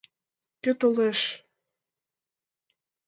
— Кӧ толеш-ш?